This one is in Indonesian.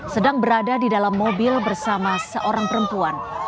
sedang berada di dalam mobil bersama seorang perempuan